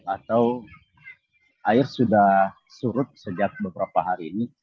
atau air sudah surut sejak beberapa hari ini